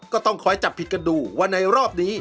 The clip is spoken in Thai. ก็ต้องคอยจับผิดกันดูว่าในรอบนี้